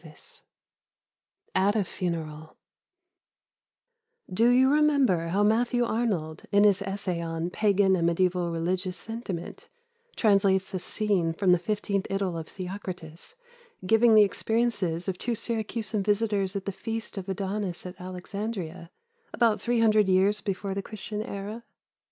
X AT A FUNERAL Do you remember how Matthew Arnold, in his Essay on "Pagan and Mediæval Religious Sentiment," translates a scene from the fifteenth Idyll of Theocritus, giving the experiences of two Syracusan visitors at the feast of Adonis at Alexandria, about three hundred years before the Christian era?